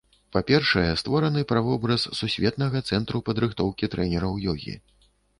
Па-першае, створаны правобраз сусветнага цэнтру падрыхтоўкі трэнераў ёгі.